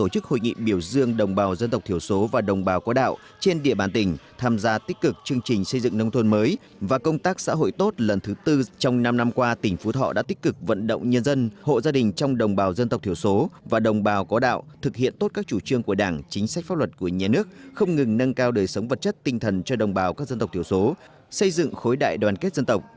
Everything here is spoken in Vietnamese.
hội nghị biểu dương đồng bào dân tộc thiểu số và đồng bào có đạo trên địa bàn tỉnh tham gia tích cực chương trình xây dựng nông thôn mới và công tác xã hội tốt lần thứ tư trong năm năm qua tỉnh phú thọ đã tích cực vận động nhân dân hộ gia đình trong đồng bào dân tộc thiểu số và đồng bào có đạo thực hiện tốt các chủ trương của đảng chính sách pháp luật của nhà nước không ngừng nâng cao đời sống vật chất tinh thần cho đồng bào các dân tộc thiểu số xây dựng khối đại đoàn kết dân tộc